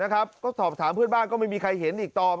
ก็สอบถามเพื่อนบ้านก็ไม่มีใครเห็นอีกตอบ